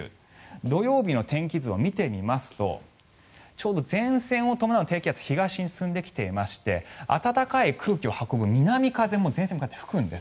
土曜日の天気図を見てみますとちょうど前線を伴う低気圧が東に進んできていまして暖かい空気を運ぶ南風も前線に向かって吹くんです。